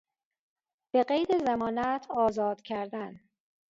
به قید ضمانت آزاد کردن